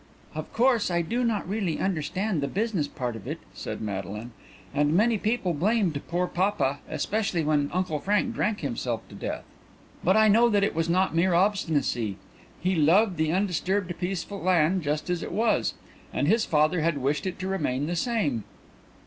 "Of course I do not really understand the business part of it," said Madeline, "and many people blamed poor papa, especially when Uncle Frank drank himself to death. But I know that it was not mere obstinacy. He loved the undisturbed, peaceful land just as it was, and his father had wished it to remain the same.